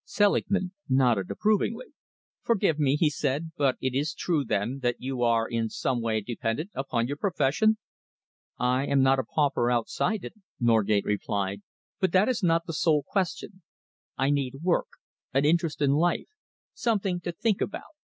Selingman nodded approvingly. "Forgive me," he said, "but it is true, then, that you are in some way dependent upon your profession?" "I am not a pauper outside it," Norgate replied, "but that is not the sole question. I need work, an interest in life, something to think about.